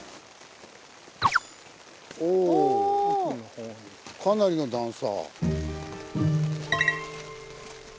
おかなりの段差。